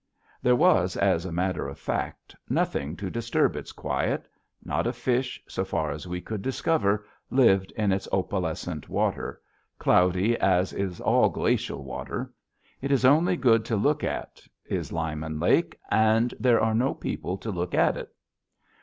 There was, as a matter of fact, nothing to disturb its quiet. Not a fish, so far as we could discover, lived in its opalescent water, cloudy as is all glacial water. It is only good to look at, is Lyman Lake, and there are no people to look at it.